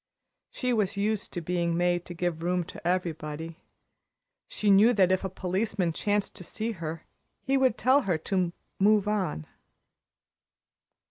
She was used to being made to give room to everybody. She knew that if a policeman chanced to see her, he would tell her to "move on."